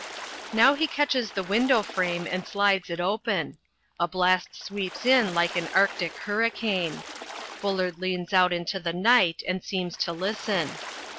Now he catches the window frame and slides it open. A blast sweeps in like an arctic hurricane. Bullard leans out into the night and seems to listen.